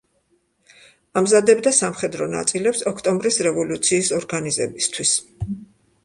ამზადებდა სამხედრო ნაწილებს ოქტომბრის რევოლუციის ორგანიზებისთვის.